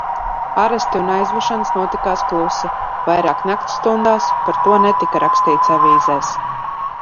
Aresti un aizvešanas notikās klusi, vairāk nakts stundās, par to netika rakstīts avīzēs.